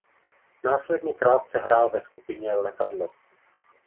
Následně krátce hrál ve skupině Letadlo.